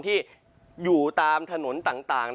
ที่อยู่ตามถนนต่าง